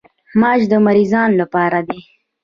ماش د مریضانو لپاره دي.